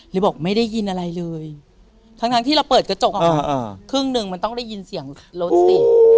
เลยบอกไม่ได้ยินอะไรเลยทั้งที่เราเปิดกระจกอะค่ะครึ่งหนึ่งมันต้องได้ยินเสียงรถสิ